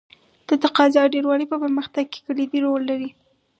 د تقاضا ډېروالی په پرمختګ کې کلیدي رول لري.